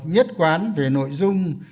nhất quán về nội dung